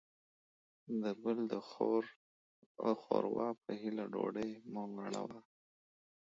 د بل د ښور وا په هيله ډوډۍ مه وړوه.